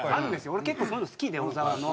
俺結構そういうの好きで小沢の。